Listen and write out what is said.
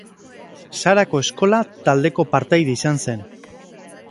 Sarako Eskola taldeko partaide izan zen.